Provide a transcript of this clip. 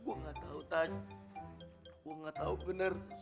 gue gak tau tas gue gak tau bener